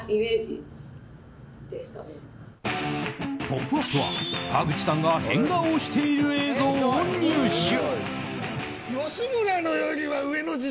「ポップＵＰ！」は川口さんが変顔をしている映像を入手。